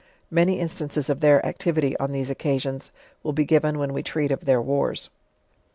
Many instances of their activity, on these occasions, will be given when we treat of their wars.